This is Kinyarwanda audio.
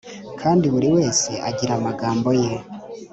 kandi buri wese agira amagambo ye